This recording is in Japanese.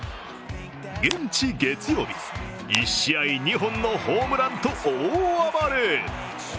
現地月曜日、１試合２本のホームランと大暴れ。